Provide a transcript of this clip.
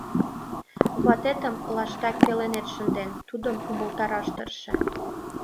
Ватетым лаштак пеленет шынден, тудым умылтараш тырше.